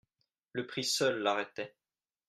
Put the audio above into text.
Le prix seul l'arrêtait.